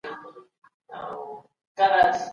دا هر څه ستاسو لپاره وړیا دي.